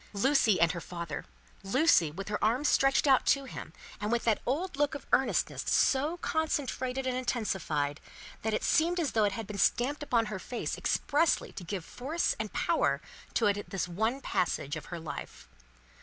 Lucie and her father! Lucie with her arms stretched out to him, and with that old look of earnestness so concentrated and intensified, that it seemed as though it had been stamped upon her face expressly to give force and power to it in this one passage of her life.